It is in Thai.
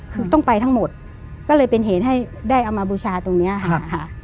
คือต้องไปทั้งหมดก็เลยเป็นเหตุให้ได้เอามาบูชาตรงนี้ค่ะ